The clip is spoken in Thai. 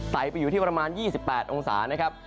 ไปอยู่ที่ประมาณ๒๘องศานะครับ